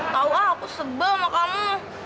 tau ah aku sebel sama kamu